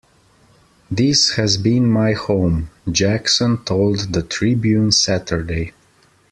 "This has been my home", Jackson told the Tribune Saturday.